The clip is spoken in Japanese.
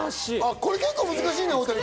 これ結構難しいね、大谷君。